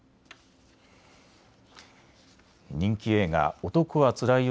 人気映画、男はつらいよ